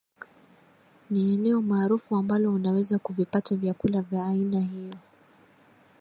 Ni eneo maarufu ambalo unaweza kuvipata vyakula vya aina hiyo